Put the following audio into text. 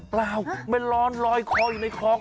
เปล่ามันร้อนลอยคออยู่ในคลอง